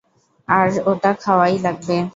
আর ওটা খাওয়াই লাগবে।